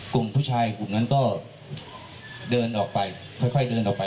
กลุ่มผู้ชายกลุ่มนั้นก็เดินออกไปค่อยเดินออกไป